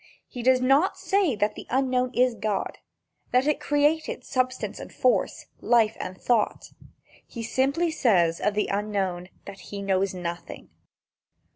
He does not say that the Unknown is God, that it created substance and force, life and thought. He simply says that of the Unknown he knows nothing.